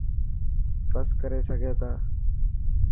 سڀ ڪري سگهي ٿا.